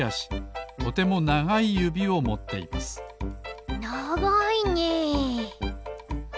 とてもながいゆびをもっていますながいねえ。